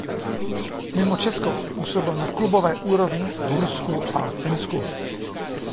Mimo Česko působil na klubové úrovni v Rusku a Finsku.